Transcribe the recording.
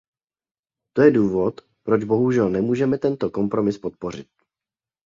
To je důvod, proč bohužel nemůžeme tento kompromis podpořit.